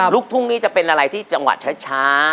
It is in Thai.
ลูกทุ่งนี้จะเป็นอะไรที่จังหวัดช้า